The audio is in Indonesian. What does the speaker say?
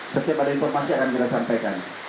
setiap ada informasi akan kita sampaikan